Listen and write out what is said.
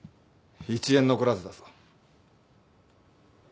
１円残らずだぞ。